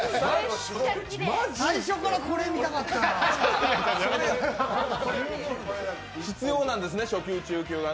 最初からこれ、見たかったなあ必要なんですね、初級、中級がね。